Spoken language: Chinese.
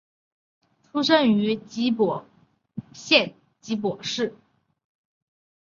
出身于岐阜县岐阜市。